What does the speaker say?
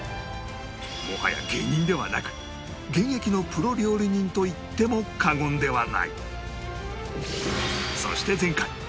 もはや芸人ではなく現役のプロ料理人といっても過言ではない